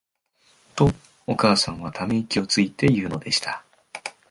と、お母さんは溜息をついて言うのでした。